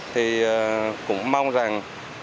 thì cũng mong rằng